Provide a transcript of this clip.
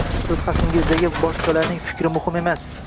Siz haqingizdagi boshqalarning fikri muhim emas